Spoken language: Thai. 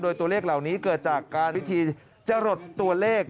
โดยตัวเลขเหล่านี้เกิดจากการวิธีจะหลดตัวเลข